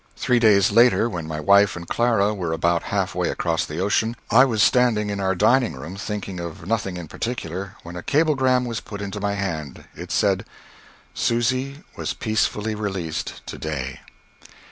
Three days later, when my wife and Clara were about half way across the ocean, I was standing in our dining room thinking of nothing in particular, when a cablegram was put into my hand. It said, "Susy was peacefully released to day."